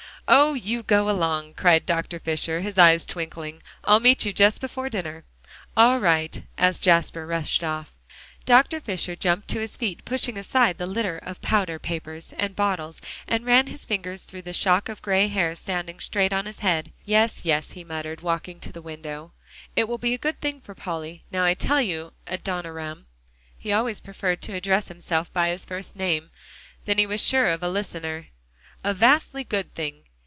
"Oh! you go along," cried Dr. Fisher, his eyes twinkling. "I'll meet you just before dinner." "All right," as Jasper rushed off. Dr. Fisher jumped to his feet, pushing aside the litter of powder papers, and bottles, and ran his fingers through the shock of gray hair standing straight on his head. "Yes, yes," he muttered, walking to the window, "it will be a good thing for Polly, now I tell you, Adoniram." He always preferred to address himself by his first name; then he was sure of a listener. "A vastly good thing.